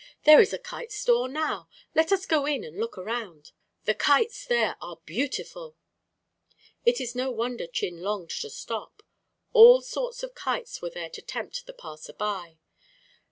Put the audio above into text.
There is a kite store, now. Let us go in and look around. The kites there are beautiful." It is no wonder Chin longed to stop. All sorts of kites were there to tempt the passer by.